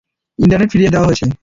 Internet ফিরিয়ে দেয়া হয়েছে।